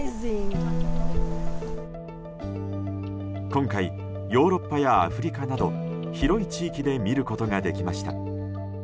今回、ヨーロッパやアフリカなど広い地域で見ることができました。